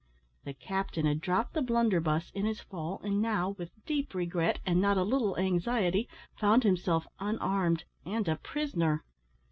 The captain had dropped the blunderbuss in his fall, and now, with deep regret, and not a little anxiety, found himself unarmed and a prisoner.